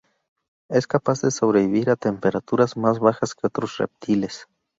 Es capaz de sobrevivir a temperaturas más bajas que otros reptiles.